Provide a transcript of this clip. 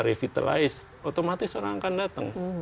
revitalize otomatis orang akan datang